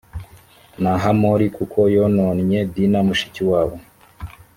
na hamori kuko yononnye dina mushiki wabo